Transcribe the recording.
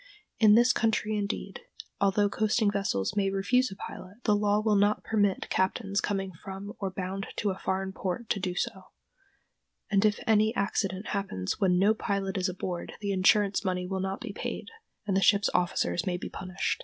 In this country, indeed, although coasting vessels may refuse a pilot, the law will not permit captains coming from or bound to a foreign port to do so; and if any accident happens when no pilot is aboard the insurance money will not be paid, and the ship's officers may be punished.